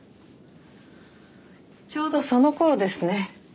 ちょうどその頃ですね。